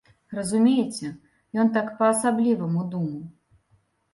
Разумееце, ён так па-асабліваму думаў.